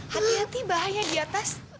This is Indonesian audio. hati hati bahaya di atas